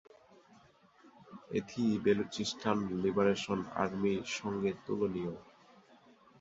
এটি Balochistan Liberation Army সঙ্গে তুলনীয়।